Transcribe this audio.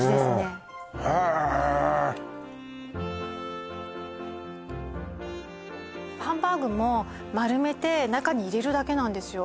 うんへえハンバーグも丸めて中に入れるだけなんですよ